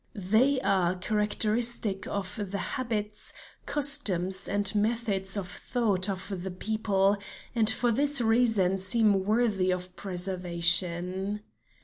They are characteristic of the habits, customs, and methods of thought of the people, and for this reason seem worthy of preservation.